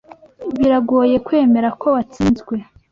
Biragoye kwemera ko watsinzwe.